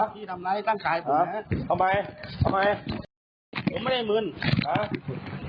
พี่ทำร้ายให้ตั้งกายผมแน่เอาไปเอาไปผมไม่ได้มึนฮะ